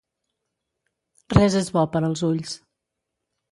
Res és bo per als ulls.